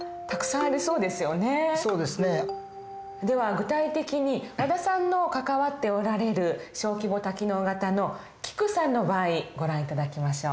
具体的に和田さんの関わっておられる小規模多機能型のキクさんの場合ご覧頂きましょう。